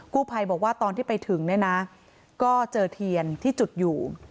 ภัยบอกว่าตอนที่ไปถึงเนี่ยนะก็เจอเทียนที่จุดอยู่